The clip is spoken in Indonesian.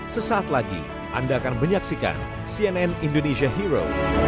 sesaat lagi anda akan menyaksikan cnn indonesia hero